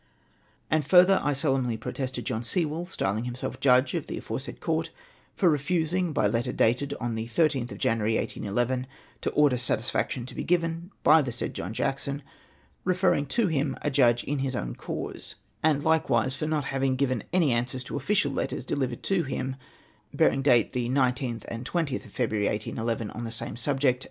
And further, I solemnly protested John Sewell, styling himself judge of the aforesaid Court, for refusing, by letter dated the 13th January, 1811, to order satisfaction to be given by the said John Jackson, referring to him a judge in his own cause; and likewise for not having given any answers to official letters delivered to him, bearing date the 19th and 20th of February, 1811, on the same subject.